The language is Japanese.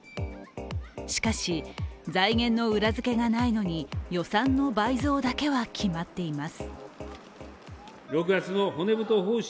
しかし財源の裏付けがないのに予算の倍増だけは決まっています。